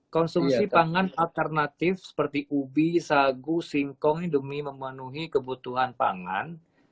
konsumsi pangan alternatif seperti ubi sagu singkong demi memenuhi kebutuhan pangan